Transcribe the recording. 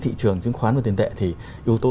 thị trường chứng khoán và tiền tệ thì yếu tố